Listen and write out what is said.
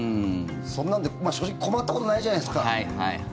そんなんで正直困ったことないじゃないですか。